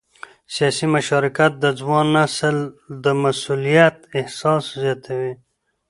سیاسي مشارکت د ځوان نسل د مسؤلیت احساس زیاتوي